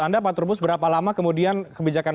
anda pak turbus berapa lama kemudian kebijakan